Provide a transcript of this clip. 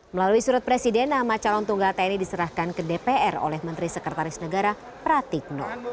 melalui surat presiden nama calon tunggal tni diserahkan ke dpr oleh menteri sekretaris negara pratikno